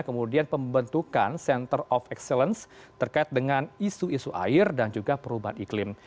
kemudian pembentukan center of excellence terkait dengan isu isu air dan juga perubahan iklim